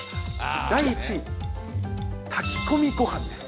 第１位、炊き込みごはんです。